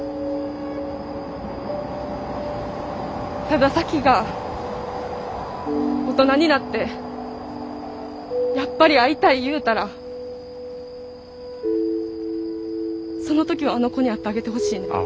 ただ咲妃が大人になってやっぱり会いたい言うたらその時はあの子に会ってあげてほしいねん。